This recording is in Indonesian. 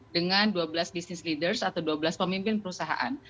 dengan dua belas business leaders atau dua belas pemimpin perusahaan